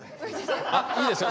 いいですよ